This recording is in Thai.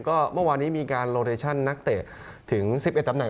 ก็เมื่อวานนี้มีการโลเดชั่นนักเตะถึง๑๑ตำแหน